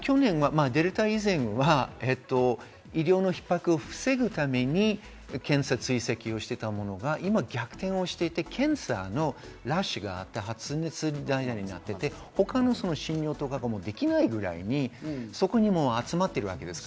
デルタ以前は医療のひっ迫を防ぐために検査・追跡をしていたものが今逆転していて、検査のラッシュがあって、発熱外来になっていて、他の診療とかもできないぐらいにそこに集まっているわけです。